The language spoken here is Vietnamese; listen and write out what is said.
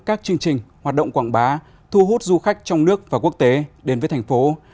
các chương trình hoạt động quảng bá thu hút du khách trong nước và quốc tế đến với thành phố